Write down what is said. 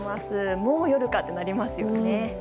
もう夜かってなりますよね。